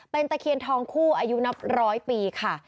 เป็นตะเคียนทองคู่อายุนับร้อยปีค่ะ